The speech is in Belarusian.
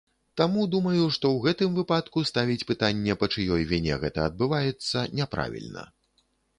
Таму думаю, што ў гэтым выпадку ставіць пытанне, па чыёй віне гэта адбываецца, няправільна.